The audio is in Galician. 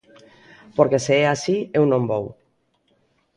Porque se é así eu non vou.